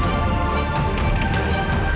kepemimpin terbang disizeimus